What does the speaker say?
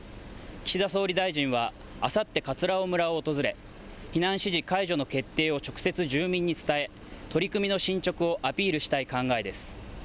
岸田総理大臣はあさって葛尾村を訪れ、避難指示解除の決定を直接、住民に伝え取り組みの進捗をアピールしたい考えです。